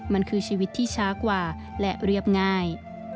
มันคือชีวิตที่ช้ากว่าและเรียบง่าย